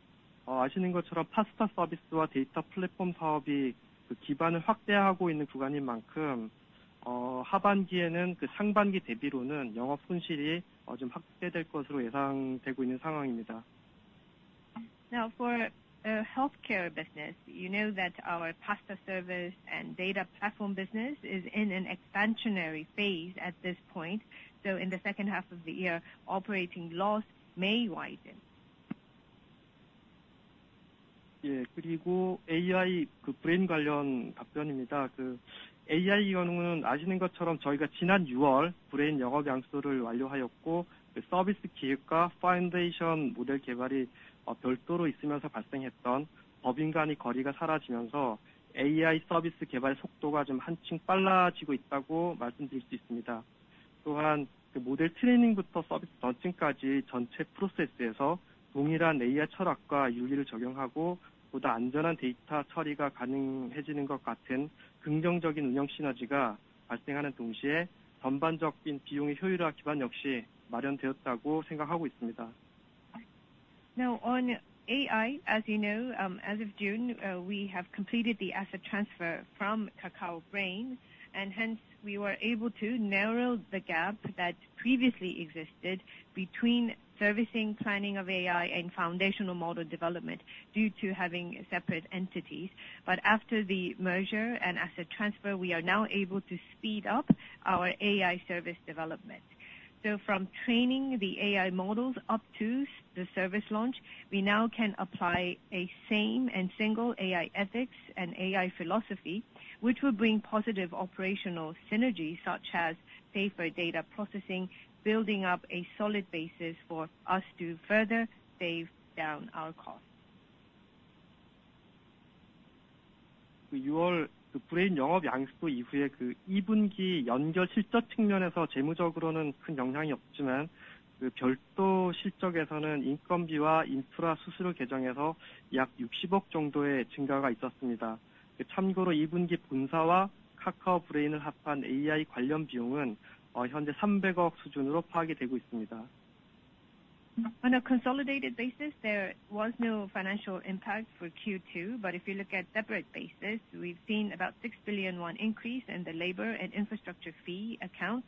PaaS-TA 서비스와 데이터 플랫폼 사업이 그 기반을 확대하고 있는 구간인 만큼, 하반기에는 그 상반기 대비로는 영업 손실이 좀 확대될 것으로 예상되고 있는 상황입니다. Now, for healthcare business, you know that our PaaS-TA service and data platform business is in an expansionary phase at this point. So in the second half of the year, operating loss may widen. Yeah. 그리고 AI, 그 브레인 관련 답변입니다. 그 AI 경우는 아시는 것처럼 저희가 지난 유월 브레인 영업 양수를 완료하였고, 그 서비스 기획과 파운데이션 모델 개발이 별도로 있으면서 발생했던 법인 간의 거리가 사라지면서 AI 서비스 개발 속도가 좀 한층 빨라지고 있다고 말씀드릴 수 있습니다. 또한 그 모델 트레이닝부터 서비스 런칭까지 전체 프로세스에서 동일한 AI 철학과 윤리를 적용하고, 보다 안전한 데이터 처리가 가능해지는 것 같은 긍정적인 운영 시너지가 발생하는 동시에, 전반적인 비용의 효율화 기반 역시 마련되었다고 생각하고 있습니다. Now, on AI, as you know, as of June, we have completed the asset transfer from Kakao Brain, and hence we were able to narrow the gap that previously existed between servicing, planning of AI, and foundational model development due to having separate entities. But after the merger and asset transfer, we are now able to speed up our AI service development. So from training the AI models up to the service launch, we now can apply a same and single AI ethics and AI philosophy, which will bring positive operational synergies, such as safer data processing, building up a solid basis for us to further save down our costs. 6월 그 브레인 영업 양수 이후에 그이 분기 연결 실적 측면에서 재무적으로는 큰 영향이 없지만, 그 별도 실적에서는 인건비와 인프라 수수료 계정에서 약 KRW 60억 정도의 증가가 있었습니다. 그 참고로 이 분기 본사와 카카오 브레인을 합한 AI 관련 비용은 현재 KRW 300억 수준으로 파악이 되고 있습니다. On a consolidated basis, there was no financial impact for Q2, but if you look at separate basis, we've seen about 6 billion won increase in the labor and infrastructure fee accounts.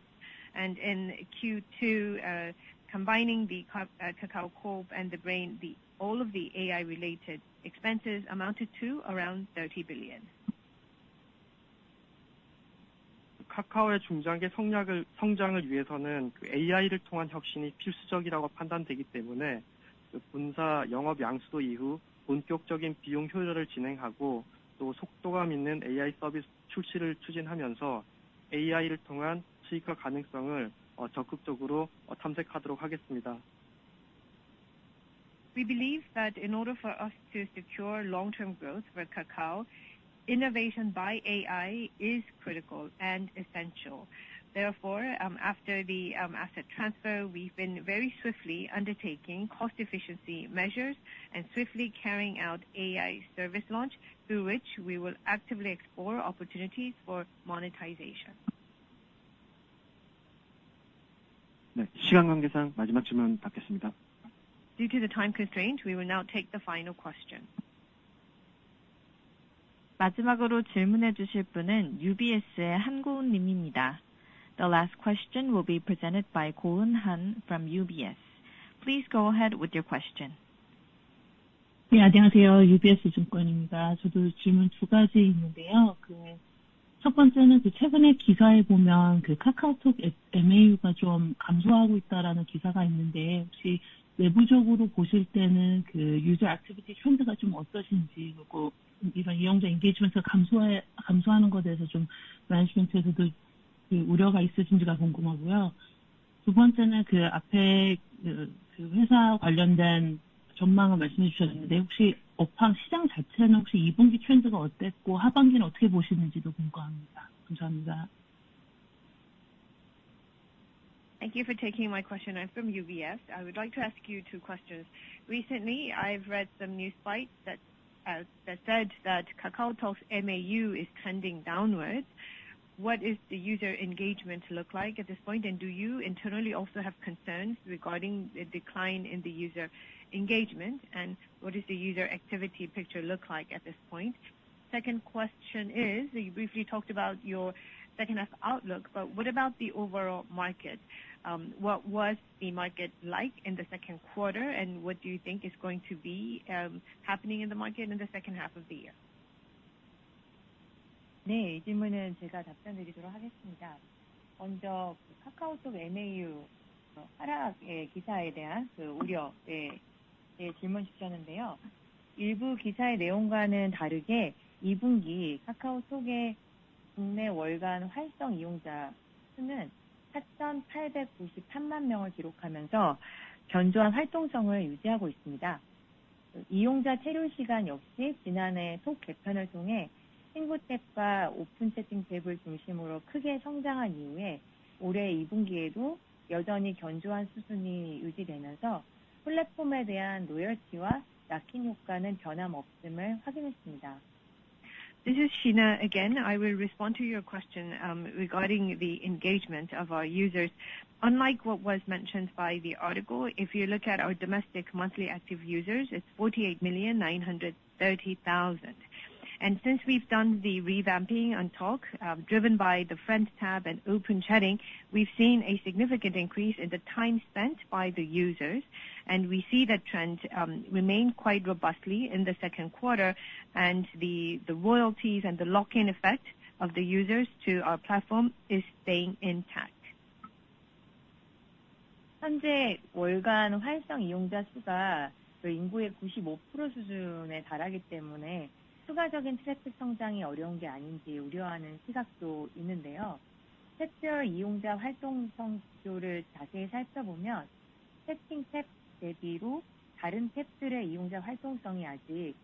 And in Q2, combining the Kakao Corp. and Kakao Brain, all of the AI related expenses amounted to around 30 billion. 카카오의 중장기 성장을 위해서는 AI를 통한 혁신이 필수적이라고 판단되기 때문에, 그 본사 영업 양수도 이후 본격적인 비용 효율을 진행하고, 또 속도감 있는 AI 서비스 출시를 추진하면서 AI를 통한 수익화 가능성을 적극적으로 탐색하도록 하겠습니다. We believe that in order for us to secure long-term growth for Kakao, innovation by AI is critical and essential. Therefore, after the asset transfer, we've been very swiftly undertaking cost efficiency measures and swiftly carrying out AI service launch, through which we will actively explore opportunities for monetization. 네, 시간 관계상 마지막 질문 받겠습니다. Due to the time constraints, we will now take the final question. The last question will be presented by Kumhee Han from UBS. Please go ahead with your question. 예, 안녕하세요. UBS 증권입니다. 저도 질문 두 가지 있는데요. 그첫 번째는 그 최근에 기사에 보면 그 카카오톡 MAU가 좀 감소하고 있다라는 기사가 있는데, 혹시 내부적으로 보실 때는 그 user activity trend가 좀 어떠신지, 그리고 이용자 engagement가 감소해, 감소하는 거에 대해서 좀 management에서도 그 우려가 있으신지가 궁금하고요. 두 번째는 그 앞에 회사 관련된 전망을 말씀해 주셨는데, 혹시 업황, 시장 자체는 혹시 이 분기 트렌드가 어땠고, 하반기는 어떻게 보시는지도 궁금합니다. 감사합니다. Thank you for taking my question. I'm from UBS. I would like to ask you two questions. Recently, I've read some news bites that, that said that KakaoTalk's MAU is trending downwards. What is the user engagement look like at this point? And do you internally also have concerns regarding the decline in the user engagement, and what does the user activity picture look like at this point? Second question is, you briefly talked about your second half outlook, but what about the overall market? What was the market like in the second quarter, and what do you think is going to be happening in the market in the second half of the year? 네, 이 질문은 제가 답변드리도록 하겠습니다. 먼저 카카오톡 MAU 하락의 기사에 대한 그 우려, 예, 예, 질문 주셨는데요. 일부 기사의 내용과는 다르게, 이 분기 카카오톡의 국내 월간 활성 이용자 수는 48,930,000명을 기록하면서 견조한 활동성을 유지하고 있습니다. 이용자 체류 시간 역시 지난해 톡 개편을 통해 친구 탭과 오픈 채팅 탭을 중심으로 크게 성장한 이후에, 올해 이 분기에도 여전히 견조한 수준이 유지되면서 플랫폼에 대한 로열티와 락인 효과는 변함없음을 확인했습니다. This is Sheena again. I will respond to your question regarding the engagement of our users. Unlike what was mentioned by the article, if you look at our domestic monthly active users, it's 48,930,000. Since we've done the revamping on Talk, driven by the Friends tab and open chatting, we've seen a significant increase in the time spent by the users, and we see that trend remain quite robustly in the second quarter. The royalties and the lock-in effect of the users to our platform is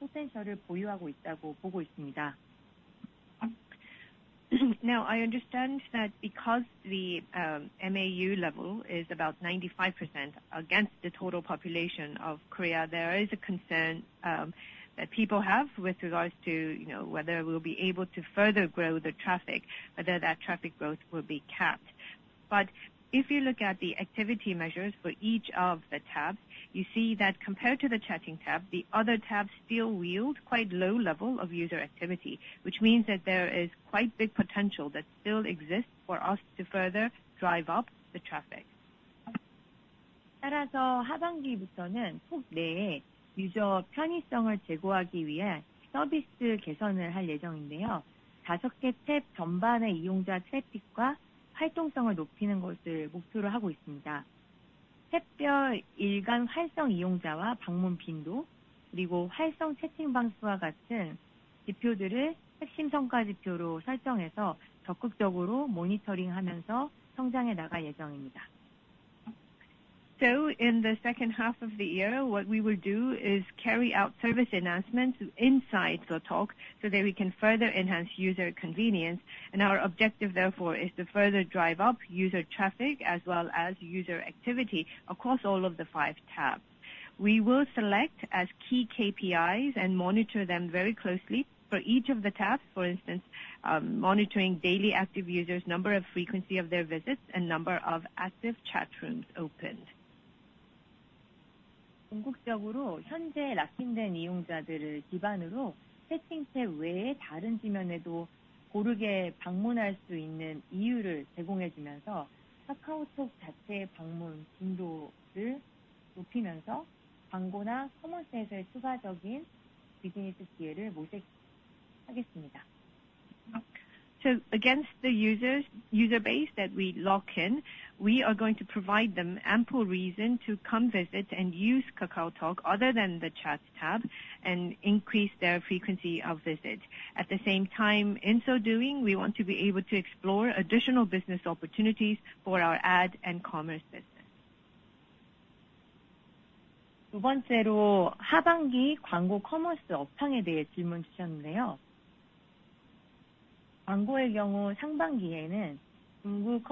staying intact. Now, I understand that because the MAU level is about 95% against the total population of Korea, there is a concern that people have with regards to, you know, whether we'll be able to further grow the traffic, whether that traffic growth will be capped. But if you look at the activity measures for each of the tabs, you see that compared to the chatting tab, the other tabs still yield quite low level of user activity. Which means that there is quite big potential that still exists for us to further drive up the traffic. So in the second half of the year, what we will do is carry out service enhancements inside the Talk so that we can further enhance user convenience. And our objective, therefore, is to further drive up user traffic as well as user activity across all of the five tabs. We will select as key KPIs and monitor them very closely for each of the tabs. For instance, monitoring daily active users, number of frequency of their visits, and number of active chat rooms opened. So against the users, user base that we lock in, we are going to provide them ample reason to come visit and use KakaoTalk other than the chat tab and increase their frequency of visit. At the same time, in so doing, we want to be able to explore additional business opportunities for our ad and commerce business. Moving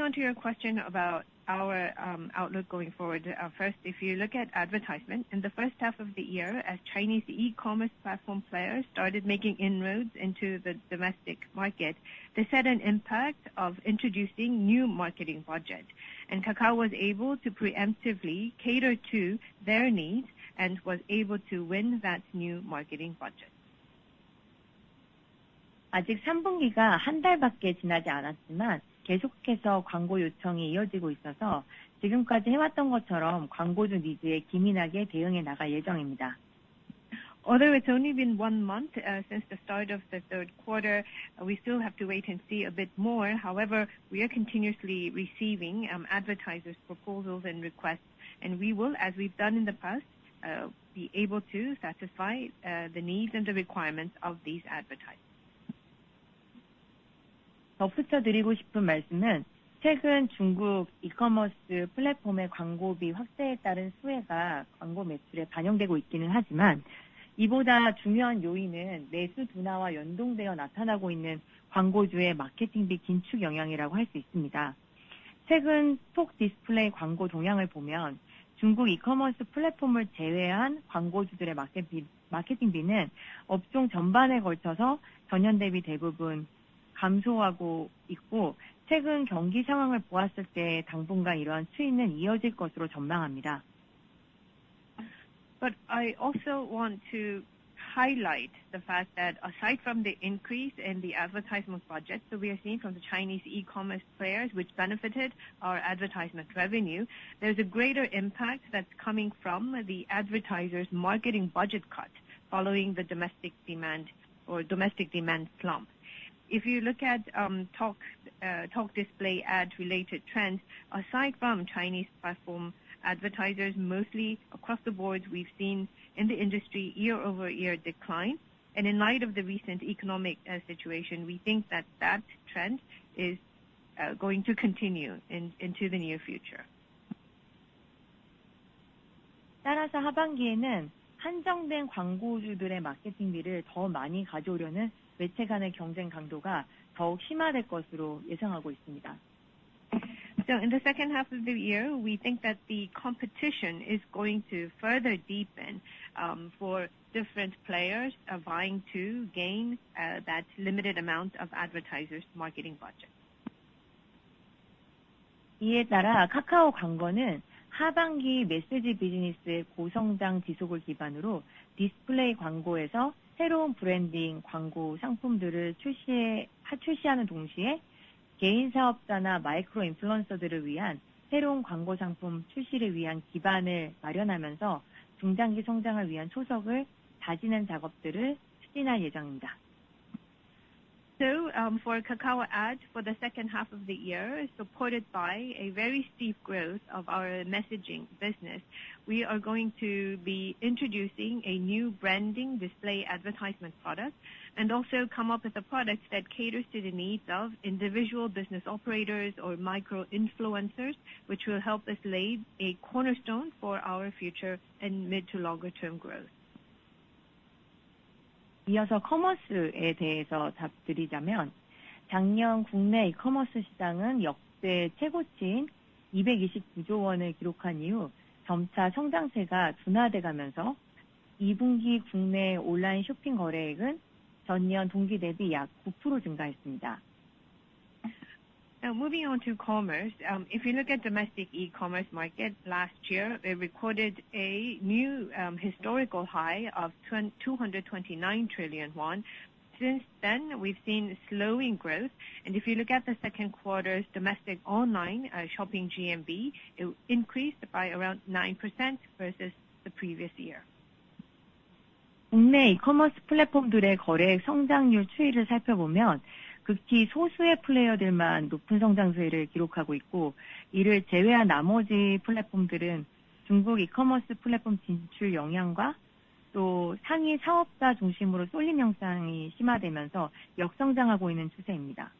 on to your question about our outlook going forward. First, if you look at advertisements, in the first half of the year, as Chinese e-commerce platform players started making inroads into the domestic market, they set an impact of introducing new marketing budget. And Kakao was able to preemptively cater to their needs and was able to win that new marketing budget. Although it's only been one month since the start of the third quarter, we still have to wait and see a bit more. However, we are continuously receiving advertisers' proposals and requests, and we will, as we've done in the past, be able to satisfy the needs and the requirements of these advertisers. But I also want to highlight the fact that aside from the increase in the advertisement budgets that we are seeing from the Chinese e-commerce players, which benefited our advertisement revenue, there's a greater impact that's coming from the advertisers' marketing budget cut following the domestic demand or domestic demand slump. If you look at Talk display ad-related trends, aside from Chinese platform advertisers, mostly across the board, we've seen in the industry year-over-year decline. In light of the recent economic situation, we think that that trend is going to continue into the near future. 따라서 하반기에는 한정된 광고주들의 마케팅비를 더 많이 가져오려는 매체 간의 경쟁 강도가 더욱 심화될 것으로 예상하고 있습니다. So in the second half of the year, we think that the competition is going to further deepen, for different players are vying to gain that limited amount of advertisers marketing budget. 이에 따라 카카오 광고는 하반기 메시지 비즈니스의 고성장 지속을 기반으로 디스플레이 광고에서 새로운 브랜딩, 광고 상품들을 출시해, 출시하는 동시에 개인사업자나 마이크로 인플루언서들을 위한 새로운 광고 상품 출시를 위한 기반을 마련하면서 중장기 성장을 위한 초석을 다지는 작업들을 추진할 예정입니다. So, for Kakao Ads for the second half of the year, supported by a very steep growth of our messaging business, we are going to be introducing a new branding display advertisement product and also come up with the products that caters to the needs of individual business operators or micro-influencers, which will help us lay a cornerstone for our future and mid to longer term growth. 이어서 커머스에 대해서 답드리자면, 작년 국내 이커머스 시장은 역대 최고치인 이백이십구조 원을 기록한 이후 점차 성장세가 둔화돼 가면서 이 분기 국내 온라인 쇼핑 거래액은 전년 동기 대비 약 구프로 증가했습니다. Now, moving on to commerce. If you look at domestic e-commerce market last year, it recorded a new historical high of 229 trillion won. Since then, we've seen slowing growth. If you look at the second quarter's domestic online shopping GMV, it increased by around 9% versus the previous year. 국내 이커머스 플랫폼들의 거래 성장률 추이를 살펴보면, 극히 소수의 플레이어들만 높은 성장세를 기록하고 있고, 이를 제외한 나머지 플랫폼들은 중국 이커머스 플랫폼 진출 영향과 또 상위 사업자 중심으로 쏠림 현상이 심화되면서 역성장하고 있는 추세입니다.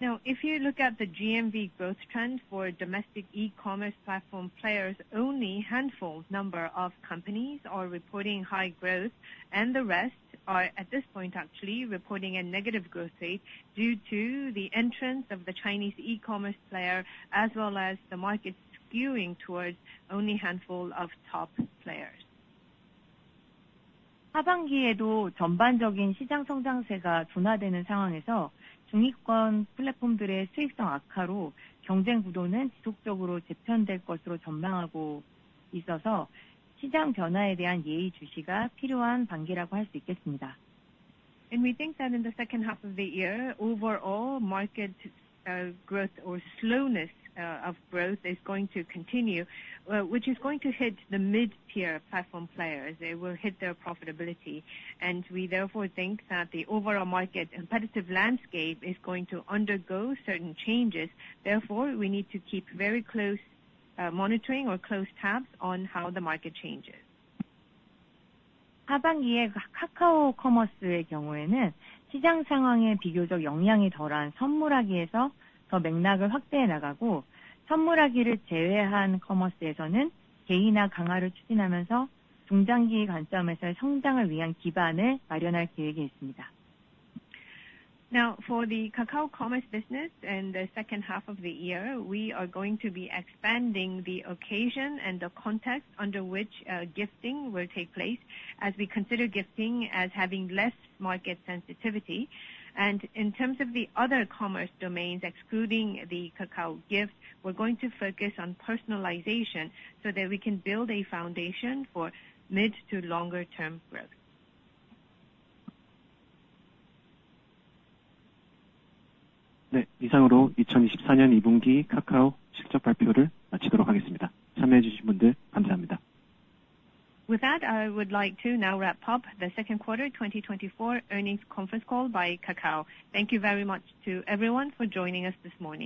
Now, if you look at the GMV growth trend for domestic e-commerce platform players, only handful number of companies are reporting high growth, and the rest are, at this point, actually reporting a negative growth rate due to the entrance of the Chinese e-commerce player, as well as the market skewing towards only a handful of top players. 하반기에도 전반적인 시장 성장세가 둔화되는 상황에서 중위권 플랫폼들의 수익성 악화로 경쟁 구도는 지속적으로 재편될 것으로 전망하고 있어서 시장 변화에 대한 예의 주시가 필요한 반기라고 할수 있겠습니다. And we think that in the second half of the year, overall market, growth or slowness, of growth is going to continue, which is going to hit the mid-tier platform players. It will hit their profitability, and we therefore think that the overall market competitive landscape is going to undergo certain changes. Therefore, we need to keep very close, monitoring or close tabs on how the market changes. 하반기에 카카오 커머스의 경우에는 시장 상황에 비교적 영향이 덜한 선물하기에서 더 맥락을 확대해 나가고, 선물하기를 제외한 커머스에서는 개인화 강화를 추진하면서 중장기 관점에서의 성장을 위한 기반을 마련할 계획에 있습니다. Now, for the Kakao Commerce business, in the second half of the year, we are going to be expanding the occasion and the context under which, gifting will take place, as we consider gifting as having less market sensitivity. In terms of the other commerce domains, excluding the Kakao Gift, we're going to focus on personalization so that we can build a foundation for mid to longer term growth. 네, 이상으로 2024년 2분기 카카오 실적 발표를 마치도록 하겠습니다. 참여해 주신 분들 감사합니다. With that, I would like to now wrap up the second quarter 2024 earnings conference call by Kakao. Thank you very much to everyone for joining us this morning.